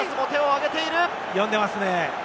呼んでますね。